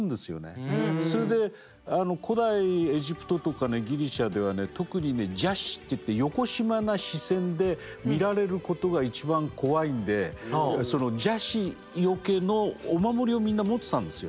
それで古代エジプトとかギリシャでは特にね邪視といってよこしまな視線で見られることが一番怖いんで邪視よけのお守りをみんな持ってたんですよ。